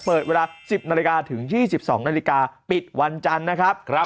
เปิดเวลา๑๐นถึง๒๒นปิดวันจันทร์นะครับ